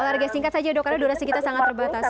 warga singkat saja dok karena durasi kita sangat terbatas